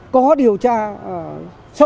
có điều tra sâu